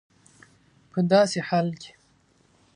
په داسي حال کي